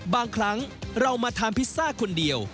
บางครั้งเรามาทานพิซซ่าคนเดียว